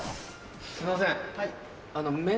すいません。